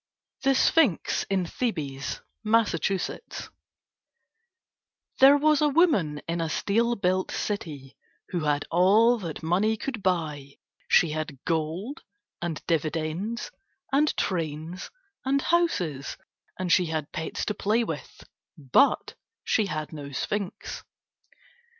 THE SPHINX IN THEBES (MASSACHUSETTS) There was a woman in a steel built city who had all that money could buy, she had gold and dividends and trains and houses, and she had pets to play with, but she had no sphinx.